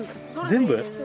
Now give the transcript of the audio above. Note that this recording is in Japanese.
全部？